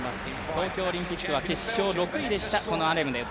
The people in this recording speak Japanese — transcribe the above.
東京オリンピックは決勝６位でした。